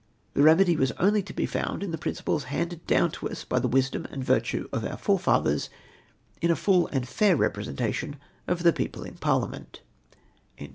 The remedy was only to be fomid in the principles handed doAvn to us by the wisdom and virtue of our forefathers, in a full and fau^ representation of the people in Parliament."